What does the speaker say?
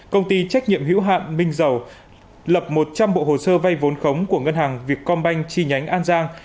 công ty trách nhiệm hữu hạn minh dầu lập một trăm linh bộ hồ sơ vay vốn khống của ngân hàng việt công banh chi nhánh an giang